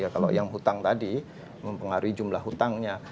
kalau yang hutang tadi mempengaruhi jumlah hutangnya